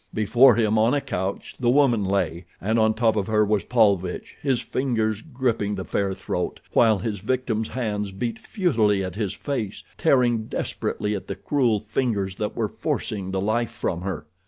Before him, on a couch, the woman lay, and on top of her was Paulvitch, his fingers gripping the fair throat, while his victim's hands beat futilely at his face, tearing desperately at the cruel fingers that were forcing the life from her.